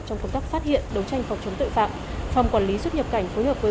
trong công tác phát hiện đấu tranh phòng chống tội phạm phòng quản lý xuất nhập cảnh phối hợp với